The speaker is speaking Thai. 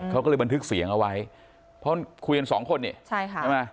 เขาก็เลยบันทึกเสียงเอาไว้เพราะคุยกันสองคนนี่ใช่ค่ะใช่ไหม